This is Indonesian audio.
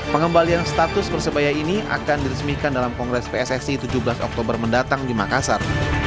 pengembalian status persebaya ini akan diresmikan dalam kongres pssi tujuh belas oktober mendatang di makassar